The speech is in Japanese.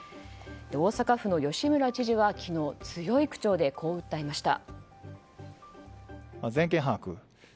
大阪府の吉村知事は昨日、強い口調でこう訴えました。